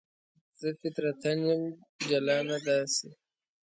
زه فطرتاً یم جلانه داسې